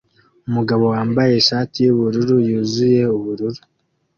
Umugabo wambaye ishati yubururu yuzuye ubururu